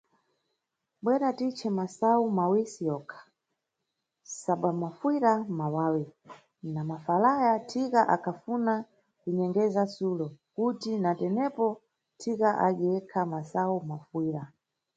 Bwera titce masayu mawisi yonka, sobwa mafuyira mʼmawawi Na mafalaya, Thika akhafuna kunyengeza Sulo, kuti na tenepo Thika adye yekha masayu mafuyira.